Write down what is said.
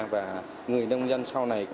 và người nông dân sau này